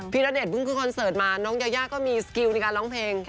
ณเดชนเพิ่งขึ้นคอนเสิร์ตมาน้องยายาก็มีสกิลในการร้องเพลง